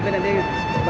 oke ada apa